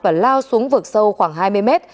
và lao xuống vực sâu khoảng hai mươi m